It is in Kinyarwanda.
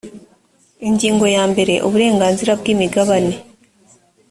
ingingo ya mbere uburenganzira bwi imigabane